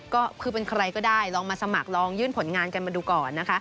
ก็คือเป็นใครก็ได้ลองมาสมัครลองยื่นผลงานกันมาดูก่อนนะคะ